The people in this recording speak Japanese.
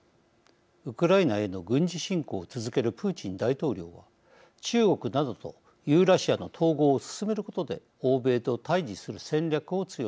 ウクライナへの軍事侵攻を続けるプーチン大統領は中国などとユーラシアの統合を進めることで欧米と対じする戦略を強めています。